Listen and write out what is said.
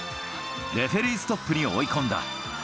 レフェリーストップに追い込んだ。